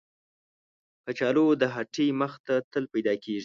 کچالو د هټۍ مخ ته تل پیدا کېږي